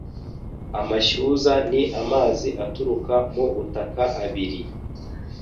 Amashyuza ni amazi aturuka mu butaka abiri